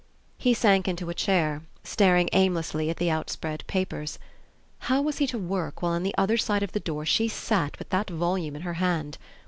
He sank into a chair, staring aimlessly at the outspread papers. How was he to work, while on the other side of the door she sat with that volume in her hand?